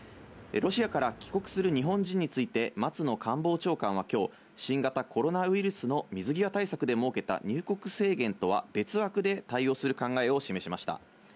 ロシアから帰国する日本人について、松野官房長官はきょう、新型コロナウイルスの水際対策で設けた入国制限とは別枠で対応する考えを示しました。